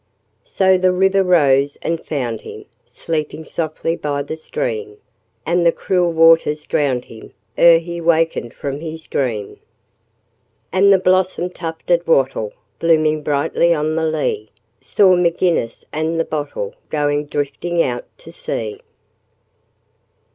So the river rose and found him Sleeping softly by the stream, And the cruel waters drowned him Ere he wakened from his dream. And the blossom tufted wattle, Blooming brightly on the lea, Saw M'Ginnis and the bottle Going drifting out to sea.